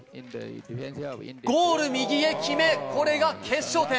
ゴール右へ決め、これが決勝点。